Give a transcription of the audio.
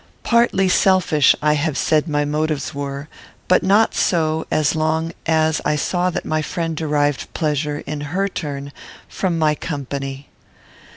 Partly selfish I have said my motives were, but not so, as long as I saw that my friend derived pleasure, in her turn, from my company.